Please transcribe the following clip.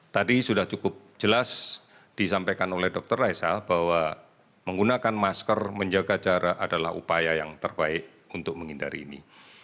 tadi sudah cukup jelas disampaikan oleh dr raisal bahwa menggunakan masker menjaga jarak adalah upaya yang terbaik untuk menghindari ini